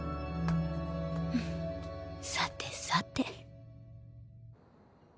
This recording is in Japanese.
さてさて。